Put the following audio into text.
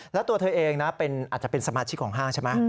แล้วตัวเธอเองนะอาจจะเป็นสมาชิกของห้างใช่ไหม